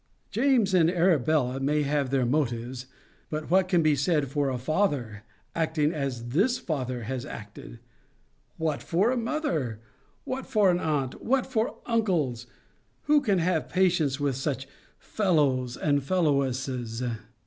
James and Arabella may have their motives; but what can be said for a father acting as this father has acted? What for a mother? What for an aunt? What for uncles? Who can have patience with such fellows and fellowesses?